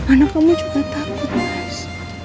anak kamu juga takut mas